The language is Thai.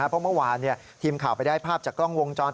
เพราะเมื่อวานทีมข่าวไปได้ภาพจากกล้องวงจร